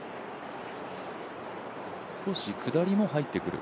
少し下りも入ってくる？